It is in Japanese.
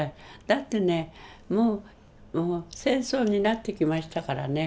だってねもう戦争になってきましたからね。